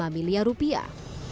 seratus miliar rupiah